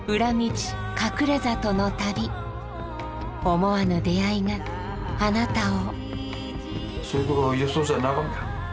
思わぬ出会いがあなたを。